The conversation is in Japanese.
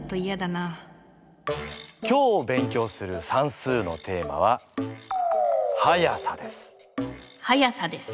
今日勉強する算数の速さです。